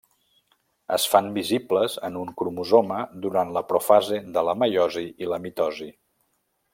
Es fan visibles en un cromosoma durant la profase de la meiosi i la mitosi.